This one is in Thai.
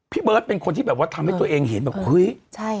พี่เบิ๊ดเป็นคนที่อยู่แบบว่าทำให้ตัวเองเห็นอี๊่